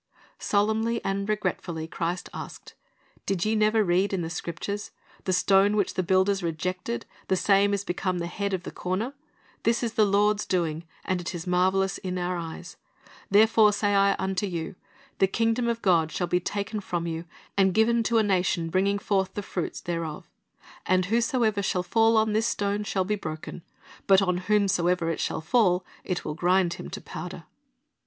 Solemnly and regretfully Christ asked, "Did ye never read in the Scriptures, The stone which the builders rejected, the same is become the head of the corner; this is the Lord's doing, and it is marvelous in our eyes ? Therefore say I unto you. The kingdom of God shall be taken from you, and given to a nation bringing forth the fruits thereof And whosoever shall fall on this stone shall be broken; but on whomsoever it shall fall, it will grind him to powder."